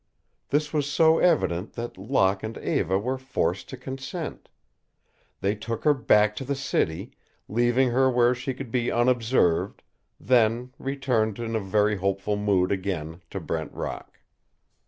This was so evident that Locke and Eva were forced to consent. They took her back to the city, leaving her where she could be unobserved, then returned in a very hopeful mood again to Brent Rock.